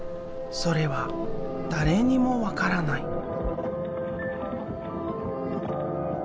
それは誰にも分からない。